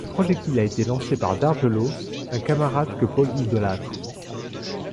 Le projectile a été lancé par Dargelos, un camarade que Paul idolâtre.